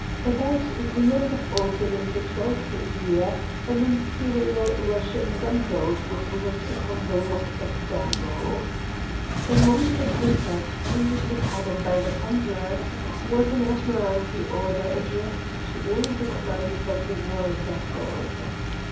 About the end of autumn in the twelfth year an imperial Russian gunboat was wrecked upon the rocks of Dago. Among the papers found in the cabin by the plunderers was an Admiralty order addressed to all the commanders of war vessels.